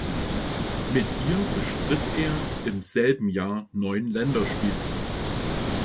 Mit ihr bestritt er im selben Jahr neun Länderspiele.